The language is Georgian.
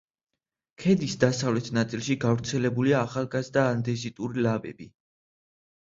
ქედის დასავლეთ ნაწილში გავრცელებულია ახალგაზრდა ანდეზიტური ლავები.